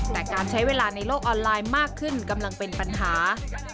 แต่การใช้เวลาในโลกออนไลน์มากขึ้นกำลังเป็นปัญหา